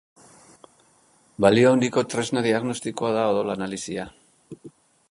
Balio handiko tresna diagnostikoa da odol-analisia.